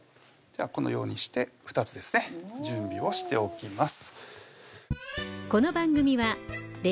このようにして２つですね準備をしておきます